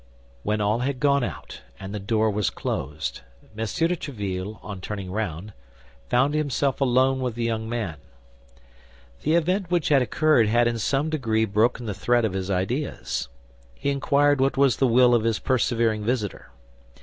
When all had gone out and the door was closed, M. de Tréville, on turning round, found himself alone with the young man. The event which had occurred had in some degree broken the thread of his ideas. He inquired what was the will of his persevering visitor.